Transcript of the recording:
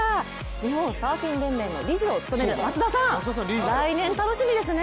日本サーフィン連盟の理事を務める松田さん、来年、楽しみですね。